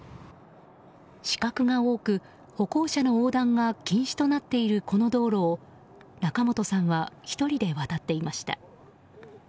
死角が多く歩行者の横断が禁止となっているこの道路を仲本さんは１人で渡っていました。